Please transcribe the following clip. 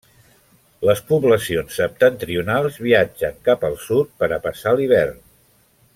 Les poblacions septentrionals viatgen cap al sud per a passar l'hivern.